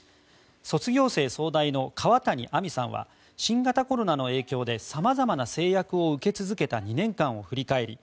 卒業生総代の河谷杏実さんは新型コロナの影響でさまざまな制約を受け続けた２年間を振り返り